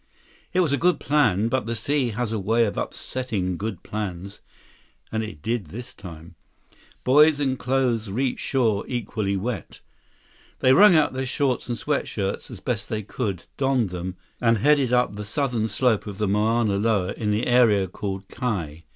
It was a good plan. But the sea has a way of upsetting good plans, and it did this time. Boys and clothes reached shore equally wet. They wrung out their shorts and sweat shirts as best they could, donned them, and headed up the southern slope of the Mauna Loa in the area called Kau.